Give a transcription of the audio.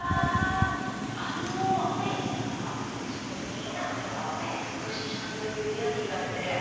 あの今そこ通りかかったらつくしちゃんというヤギがいて。